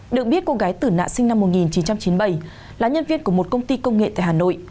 được biết cô gái tử nạn sinh năm một nghìn chín trăm chín mươi bảy là nhân viên của một công ty công nghệ tại hà nội